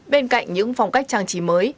bên cạnh những phong cách trang trí mới